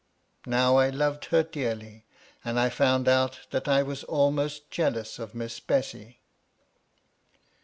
Now I loved her dearly, and I found out that I was almost jealous of Miss Bessy.